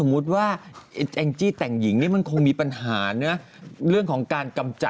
แม่มดดำมาก่อนกับแม่